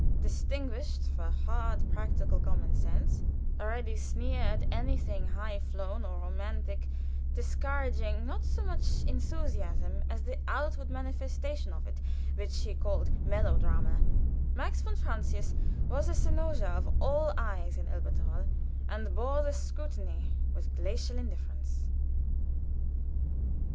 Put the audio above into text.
Distinguished for hard, practical common sense, a ready sneer at anything high flown or romantic, discouraging not so much enthusiasm as the outward manifestation of it, which he called melodrama, Max von Francius was the cynosure of all eyes in Elberthal, and bore the scrutiny with glacial indifference.